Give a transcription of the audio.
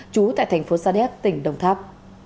trú tại thành phố sa đéc tỉnh đồng tháp